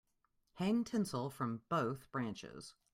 Hang tinsel from both branches.